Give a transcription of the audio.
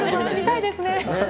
見たいですね。